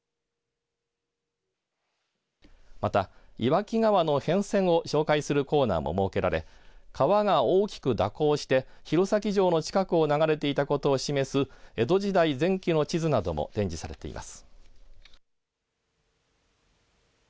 また、岩木川の変遷を紹介するコーナーも設けられ川が大きく蛇行して弘前城の近くを流れていたことを示す江戸時代前期の地図なども展示されています。